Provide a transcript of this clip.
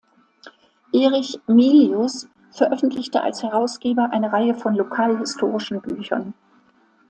Erich Milius veröffentlichte als Herausgeber eine Reihe von lokalhistorischen Büchern.